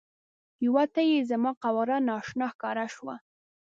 یوه ته یې زما قواره نا اشنا ښکاره شوه.